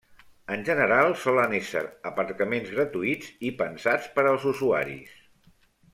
En general solen ésser aparcaments gratuïts i pensats per als usuaris.